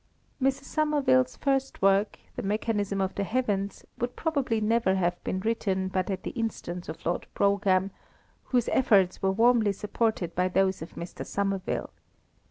Mrs. Somerville's first work, The Mechanism of the Heavens, would probably never have been written but at the instance of Lord Brougham, whose efforts were warmly supported by those of Mr. Somerville.